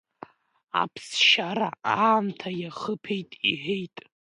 Аԥсшьара аамҭа иахыԥеит, – иҳәеит.